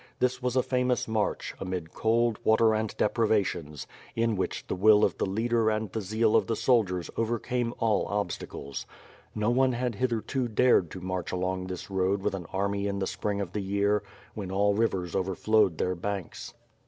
This was a famous march, amid cold, water and deprivations; in which the will of the leader and the zeal of th e soldiers overcame all obstacles. No one had hitherto dared to march along this road with an army in the spring of the year, when all rivers overflowed their banks.